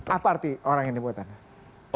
apa arti orang yang dibuat anda